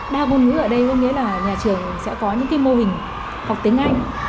đa ngôn ngữ ở đây có nghĩa là nhà trường sẽ có những mô hình học tiếng anh